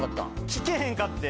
聞けへんかって。